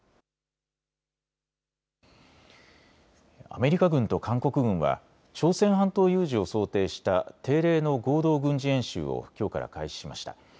アメリカ軍と韓国軍は朝鮮半島有事を想定した定例の合同軍事演習をきょうから開始しました。